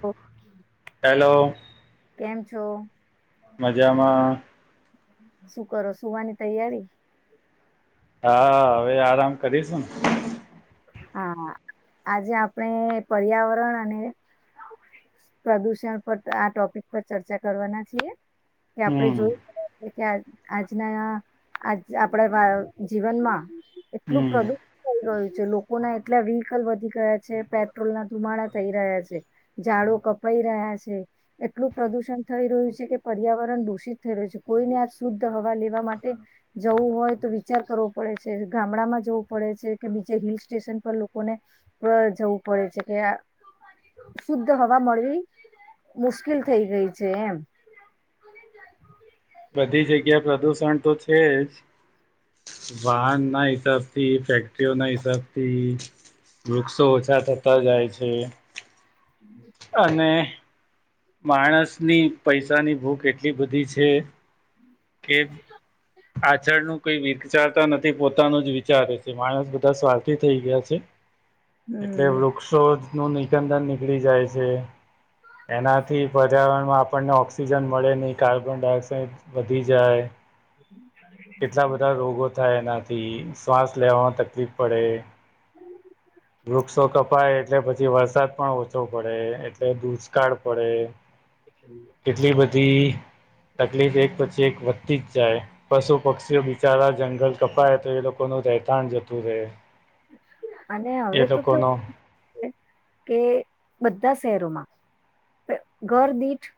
તો હલો કેમ છો મજામાં શું કરો સુવાની તૈયારી હા અવે આરામ કરીસુ હા આજે આપણે પર્યાવરણ અને પ્રદુષણ પર આ ટોપિક પર ચર્ચા કરવાના છીએ. કે આપડે હમ જોયું એટલે કે આજ આજના આ આપડા જીવનમાં એટલું હમ પ્રદુષણ થઈ ગયુ ચ લો કો ના એટલા વ્હીકલ વધી ગયા છે પેટ્રોલ ના ધુમાડા થઈ રહ્યા છે ઝાડો કપાઈ રહ્યા છે એટલું પ્રદુષણ થઈ રહ્યું છે કે પર્યાવરણ દૂષિત થઈ રહ્યું છે કોઈને આ શુદ્ધ હવા લેવા માટે જવું હોય તો વિચાર કરવો પડે છે ગામડામાં જવું પડે છે કે બીજે હિલસ સ્ટેશન પર લોકોને જવું પડે છે કે શુદ્ધ હવા મળવી મુશ્કેલ થઈ ગઈ છે એમ- બધી જગ્યા પ્રદુષણ તો છે જ વાહન ના હિસાબ થી ફેક્ટરીઓ ના હિસાબથી વૃક્ષો ઓછા થતા જાય છે. [inaudible] અને માણસની પૈસાની ભૂખ એટલી બધી છે. કે પાછળનું કઈ વિર વિચારતા નથી પોતાનું જ વિચારે છે માણસ બધા સ્વાર્થી થઈ ગયા છે. એટલે હમ વૃક્ષો. નું નિિકંદન નીકળી જાય છે એનાથી પર્યાવરણમાં આપણને ઓક્સિજન મળે નહી કાર્બન ડાયોક્સાઇડ વધી જાય. કેટલા બધા રોગો થાય એના. શ્વાસ લેવાવામાં તકલીફ પડે વૃક્ષો કપાય એટલે પછી વરસાદ પણ ઓછો પડે એટલે દુષ્કાળ પડે. કેટલી બધી તકલીફ એક પછી એક. તી જ જાય પશુ પક્ષીઓ બિચારા જંગલ કપાય તો એ લોકોનું રહેતાણ જતું રહે. અને હવે એ તું લોકોનો કેવું. કે બધા શહેરોમાં ઘર દીઠ.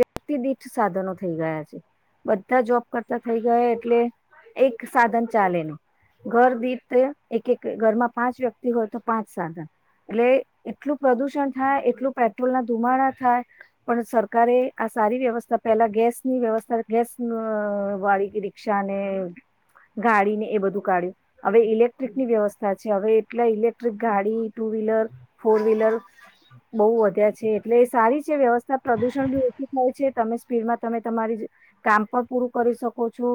વ્યક્તિ દઠ સાધનો થઈ ગયા છે બધા જોબ કરતા થઈ ગયા એટલે એક સાધન ચાલે નને ઘર દી એક એક ઘરમાં પાંચ વ્યક્તિ હોય તો પાંચ સાધન એટલે એટલું પ્રદુષણ થાય એટલ પેટ્રોલ ના ધુમાડા થાય પણ સરકારે. આ સારી વ્યવસ્થા પેલા ગેસની વ્યવસ્થા ગેસ વાળી રિકષા ને ગાડી ને એ બધું કાઢ્યું હવે ઇલેક્ટ્રિક ની વ્યવસ્થા છે હવે એટલે ઇલેક્ટ્રિક ગાડી ટુ વ્હીલર ફોર વ્હીલર બહુ વધ્યા છે એટલે એ સારી છે વ્યવસ્થા પ્રદુષણ બી ઓછું. હોય છે તમે સ્પીડમાં તમે તમારી કામ પણ પૂરું કરી શકો છો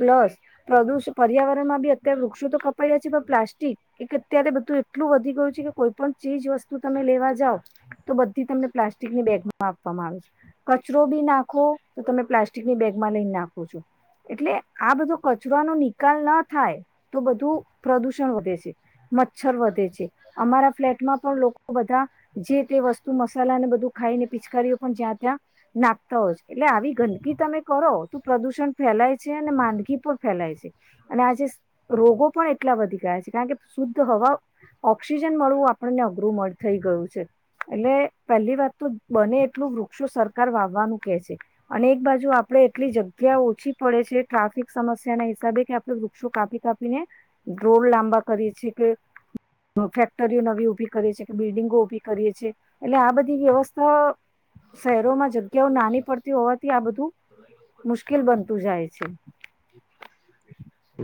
પ્લસ પ્રદુષ પર્યાવરણમાં બી અત્યારે વૃક્ષો તો કપાઈ રહ્યા છે પણ પ્લાસ્ટિક એક અત્યારે બધું એટલું વધી ગયું છે કે કોઈ પણ ચીજ વસ્તુ તમે લેવા જાવ તો બધી તમને પ્લાસ્ટિકની બેગમાં આપવામાં આવી છે. કચરો બી નાખો તો તમે પ્લાસ્ટિકની બેગમાં લઈને નાખો છો એટલે આ બધો કચરોનો નિકાલ ના થાય તો બધું પ્રદુષણ વધે છે મચ્છર વધે છે અમારા ફ્લેટમાં પણ લોકો બધા જે તે વસ્તુ મસાલાને બધું ખાઈને પિચકારીઓ પણ જ્યાં ત્યાં. નાખતા હો એટલે આવી ગંદકી તમે કરો તો પ્રદુષણ ફેલાય છે અને માંદગી પણ ફેલાય છે અને આજે રોગો પણ એટલા વધી ગયા છે કારણ કે શુદ્ધ હવા ઓક્સિજન મળવું આપણને અઘરું થઈ ગયું છે એટલે પહેલી વાત તો બને એટલું વૃક્ષો સર. વાવવાનું કે છે અને એક બાજુ આપણે એટલી જગ્યા ઓછી પડે છે ટ્રાફિક સમસ્યા ના હિસાબે કે આપડણે વૃક્ષો કાપી કાપીને રોડ લાંબા કરીએ છીએ કે ફેક્ટરીઓ નવી ઉભી કરીએ છીએ કે બિલ્ડિંગો ઉભી કરીએ છેીએ એટલે આ બધી વ્યવસ્થા શહેરોમાં. જગ્યાઓ નાની પડતી હોવાથી આ બધું મુશ્કેલ બનતું જાય છે.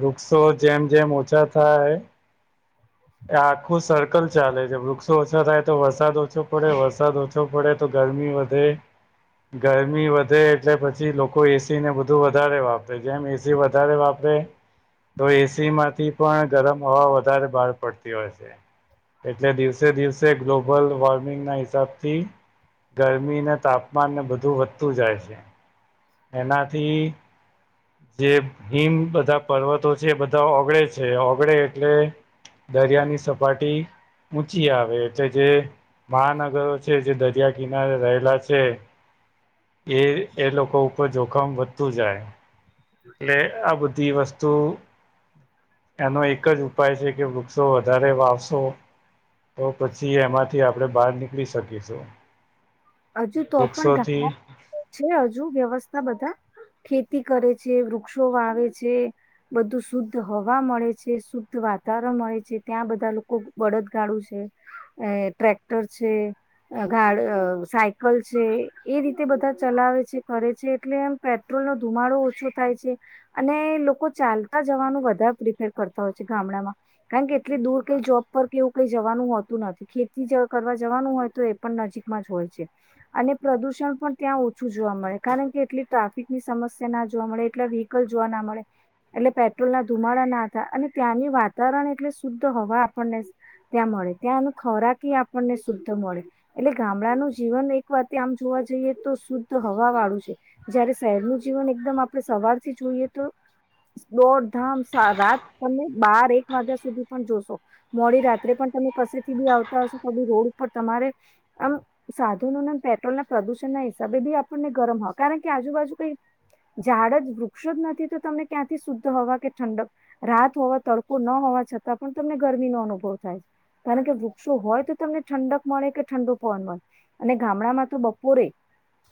વૃક્ષો જેમ જેમ ઓછા થાય. આખું સર લ ચાલે છે વૃક્ષો ઓછો થાય તો વરસાદ ઓછો પડે વરસાદ ઓછો પડે તો ગરમી વધે ગરમી વધે એટલે પછી લોકો એસી ને બધું વધારે વાપરે જેમ એસી વધારે વાપરે તો એસી માંથી પણ ગરમ હવા વધારે બાર. હોય છે એટલે દિવસે દિવસે ગ્લોબલ વોર્મિંગના હિસાબથી ગરમીને તાપમાનને બધું વધતું જાય છે. એનાથી જે હિમ બધા પર્વતો છે બધા ઓગળે છે ઓગળે એટલે. દરિયાની સપાટી. ઊંચી આવે એટલે જે મહાનગરો છે જે દરિયા કિનારે રહેલા છે એ એ લોકો. જોખમ વધતું જાય એટલે આ બધી વસ્તુ. એનો એક જ ઉપાય છે કે. ો વધારે વાવશો તો પછી એમાંથી આપણે બહાર નીકળી શકીશું. હજુ તો પણ વૃક્ષોથી ગામડા છે હજુ વ્યવસ્થ. બધા ખેતી કરે છે વૃક્ષો વાવે છે બધું શુદ્ધ હવા મળે છે શુદ્ધ વાતાવરણ મળે છે ત્યાં બધા લોકો બળદગાડું છે ટ્રેક્ટર છે ગા. સાયકલ છે એ રીતે બધા ચલાવે છે કરે છે એટલે એમ પેટ્રોલનોો ધુમાડો ઓછો થાય છે અને લોકો ચાલતા જવાનું બધા પ્રિફેર કરતા હોય છે ગામડામાં કારણ કે એટલી દૂર કઈ જોબ પર કે એવું કઈ જવાનું હોતું નથી ખેતી કરવા જવાનું હોય તો એ પણ નજીકમાં જ હોય છે. અને પ્રદુષણ પણ ત્યાં ઓછું જોવા મળે કારણ કે એટલી ટ્રાફિકની સમસ્યા ના જોવા મળે એટલા વ્હીકલ જોવા ના મળે એટલે પેટ્રોલ ના ધુમાડા ના થાય અને ત્યાંની વાતાવરણ એટલે શુદ્ધ હવા આપણને ત્યાં મળે ત્યાંનું ખોરાકી આપણને શુદ્ધ મળે એટલે ગામડાનું. જીવન એક વાતે આમ જોવા જઈએ તો શુદ્ધ હવા વાળું છે જયારે શહેરનું જીવન એકદમ આપણે સવારથી જોઈએ તો દોડધામ રાત તમે બાર એક વાગ્યા સુધી પણ જોશો મોડી રાત્રે પણ તમે કસેથી બી આવતા હશો તો બી રોડ ઉપર તમારે આમ. સાધુ ન ના પેટ્રોલ ના પ્રદુષણ ના હિસાબે બી આપણને ગરમ હોવા કારણ કે આજુબાજુ કઈ ઝાડ જ વૃક્ષો જ નથી તો તમને ક્યાંથી શુદ્ધ હોવા કે ઠંડક રાત હોવા તડકો ન હોવા છતાં પણ તમને ગરમીનોો અનુભવ થાય છે કારણ કે વૃક્ષો હોય તો તમને ઠંડક મળે કે ઠંડુ પવન મળે. અને ગામડામાં તો બપોરે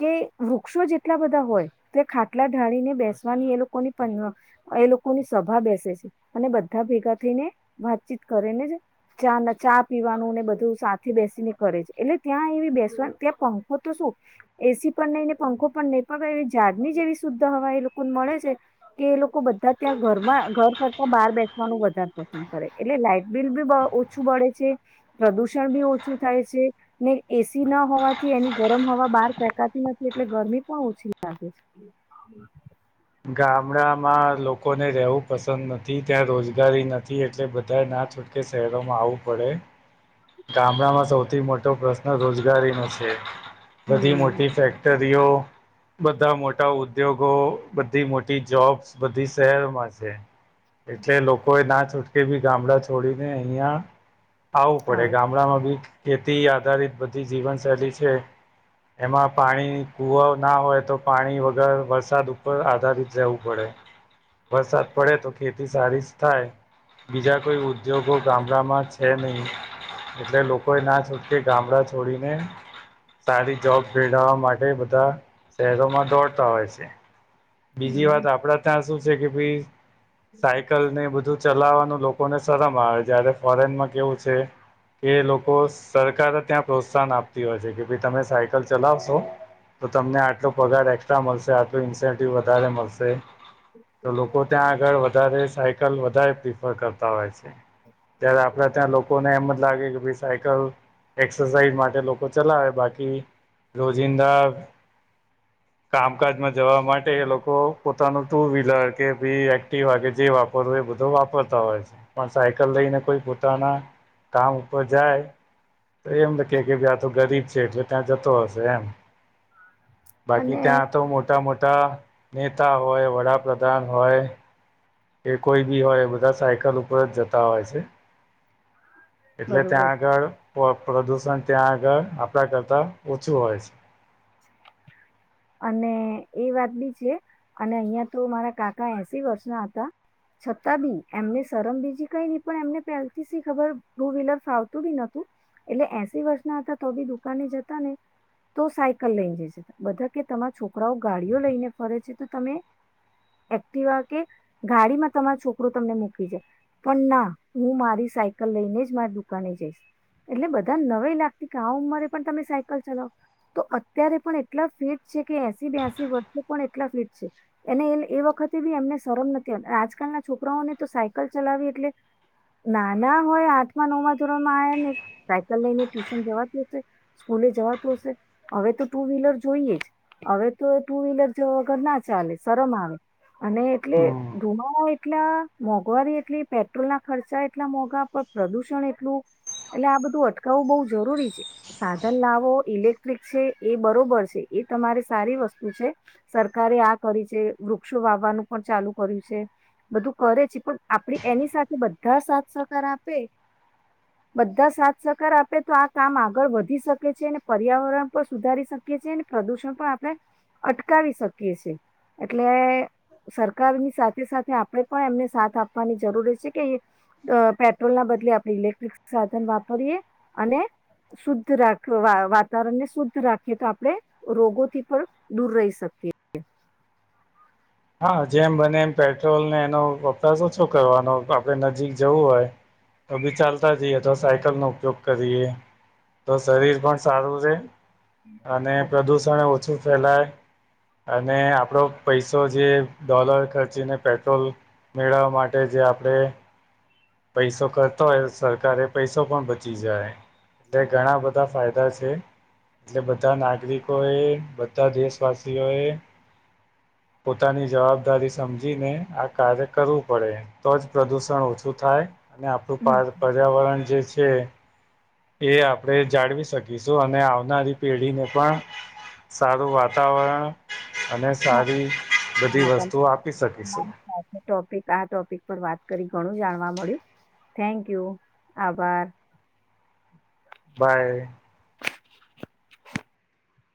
કે વૃક્ષો જેટલા બધા હોય તે ખાટલા ઢાળીને બેસવાની એ લોકોની એ લોકોની સભા બેસે છે અને બધા ભેગા થઈને વાતચીત કરેને જ ચા ચા પીવાનું ને બધું સાથે બેસીને કરે છે એટલે ત્યાં એવી. સવા ત્યાં પંખો તો શું એસી પણ નહી ને પંખો પણ નહીં પણ જાડની જેવી સુ્ધા હવા એ લોકોને મળે છે કે એ લોકો બધા ત્યાં ઘરમાં ઘર કરતા બહાર બેસવાનું વધારે પસંદ કરે એટલે લાાઈટ બિલ બી ઓછું બળે છે પ્રદુષણ બી ઓછું થાય છે ને. એસી ના હોવાથી એની ગરમ હવા બહાર ફેંકાતી નથી એટલે ગરમી પણ ઓછી લાગે છે. ગામડામાં લોકોને રહેવું પસંદ નથી ત્યાં રોજગારી નથી એટલે બધા ના છૂટકે શહેરોમાં આવવું પડે ગામડામાં સૌથી મોટો પ્રશ્ન રોજગારી નો છે. બધી હમ મોટી ફેક્ટર. કરીયો બધા મોટા ઉદ ઉપયોગો બધી મોટી જોબ્સ બધી શહેરોમાં છે એટલે લોકો એ ના છૂટ તેભી ગામડા છોડીનેે અહીયા આવું પડે આવો ગામડામાં બી ખેતી આધારિત બધી જીવનશૈલી છે, એમાં પાણી કૂવા ના હોય તો પાણી વગર વરસાદ આધારિત રહેવું પડે, વરસાદ પડે તો ખેતી સારી જ થાય બીજા કોઈ ઉદ્યોગો ગામડામાં છે નહી એટલે લોકો એ ના છૂટકે ગામડા છોડીને સારી જોબ મેળવવા માટે બધા શહેરોમાં દોડતા હોય છે બીજી હમ વાત આપડા ત્યાં શું જે કે ભાઈ સાયકલ ને બધું ચલાવાનું લોકોને શરમ આવે જ્યારે ફોરેનમાં કેવું છે કે લોકો સરકારે ત્યાં પ્રોત્સાહન આપતી હોય છે કે ભાઈ તમે સાયકલ ચલાવશો તો તમને આટલો પગાર એક્સ્ટ્રા મળશે આટલું ઇન્સ વધારે મળશે તો લોકો ત્યાં આગળ વધારે સાયકલ વધારે પ્રિફર કરતા હોય છે ત્યારે આપડે ત્યાં લોકોને એમ જ લાગે કે સાયકલ એક્સરસાઇઝ માટે લોકો ચલાવે બાકી રોજિંદા કામકાજમાં જવા માટે એ લોકો પોતાનું ટુ વ્હીલર કે બી એક્ટિવા કેે જે વાપરવું એ બધો વાપરતા હોય છે પણ સાયકલ લઈને કોઈ પોતાના કામ ઉપર જાય તો એમને કે કે ભ આ તો ગરીબ છે એટલે ત્યાં જતો હશે એમ બાકી અને ત્યાં તો મોટા મોટા તા નેતા હોય વડાપ્રધાન હોય કે કોઈ બી હોય બધા સાયકલ ઉપર જ જતા હોય છે એટલે ત્યાં બરોબર આગળ પ્રદૂષણ ત્યાં આગળ આપણા કરતા ઓછું હોય છે અને એ વાત બી છે અને અહિયાં તો મારા કાકા એસી વર્ષ ના હતા છતાં બી એમને શરમ બીજી કઈ નહી પણ એમને પહેલથી સી ખબર ટુ વ્હીલર ફાવતું બી નતું એટલે એસી વર્ષ ના હતા તો બી દુકાને જતા ને તો સાયકલ લઈને જશે બધા કે તમારા છોકરાઓ ગાડીઓ લઈને ફરે છે તો તમે એક્ટિવા કે ગાડીમાં તમારા છોકરો તમને મૂકી જાય પણ ના ઉં મારી સાયકલ લઈને જ માર દુકાને જઈશ એટલે બધા ન નવઈ લાગતી કે આ ઉંમરે પણ તમે સાયકલ ચલાવો તો અત્યારે પણ એટલા ફીટ છે કે એસી બ્યાસી વર્ષે પણ એટલા ફીટ છે એને એન એ વખતે બી એમને શરમ નથી આજકાલના છોકરાઓને તો સાયકલ ચલાવી એટલે નાના હોય આઠમાં નવમાં ધોરણમાં આયા ને સાયકલ લઈને ટ્યુશન જવાતું અશે? સ્કૂલે જવાતું અશે? હવે તો ટુ વ્હીલર જોઈએ જ. અવે તો ટુ વ્હીલર જ વગર ના ચાલે શરમ આવે અને એટલે હમ. ધુમાડા એટલા મોંઘવારી એટલી પેટ્રોલ ના ખર્ચા એટલા મોંઘા પણ પ્રદુષણ એટલું એટલે આ બધું અટકાવવું બઉ જરૂરી છે સાધન લાવો ઇલેક્ટ્રિક છે એ બરોબર છે એ તમારે સારી વસ્તુ છે સરકારે આ કરી છે વૃક્ષો વાવવાનું પણ ચાલુ કર્યું છે, બધું કરે છે, પણ આપડી એની સાથે બધા સાથ સહકાર આપે બધા સાથ સહકાર આપે તો આ કામ આગળ વધી શકે છે ને પર્યાવરણ પણ સુધારી શકીએ છે ને પ્રદૂષણ પણ આપણે અટકાવી શકીએ છે એટલે સરકારની સાથે સાથે આપણે પણ એમને સાથ આપવાની જરૂરી છે કે પેટ્રોલના બદલે આપણે ઇલેક્ટ્રિક સાધન વાપરીએ અને શુદ્ધ રાખ વાતાવરણને શુદ્ધ રાખીએ તો આપડે રોગોથી પણ દૂર રહી શકએ [unintelligible] હા જેમ બને એમ પેટ્રોલને એનો વપરાશ ઓછો કરવાનો આપડે નજીક જવું હોય તો બી ચાલતા જઈએ તો સાયકલનો ઉપયોગ કરીએ તો શરીર પણ સારું રે અને પ્રદુષણ ઓછું ફેલાય અને આપડો પૈસા તો જે ડોલર ખર્ચીને પેટ્રોલ મેળવવા માટે જે આપણે પૈસો કરતો હોય સરકારે પૈસો પણ બચી જાય એટલે ઘણા બધા ફાયદા છે એટલે બધા નાગરિકો એ બધા દેશવાસીઓ એ પોતાની જવાબદારી સમજીને આ કાર્ય કરવું પડે તો જ પ્રદુષણ ઓછું થાય અને આપણું પ‌ પર્યાવરણ જે છે એ આપણે જાળવી શકીશું અને આવનારી પેઢીને પણ સારું વાતાવરણ અને સારી બધી હ વસ્તુઓ આપી શકીશું તમારી સાથે ટોપિક આ ટોપિક પર વાત કરી ઘણું જાણવા મળ્યું થેન્ક યુ આભાર બાય